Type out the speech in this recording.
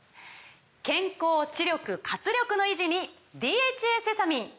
健康・知力・活力の維持に「ＤＨＡセサミン」！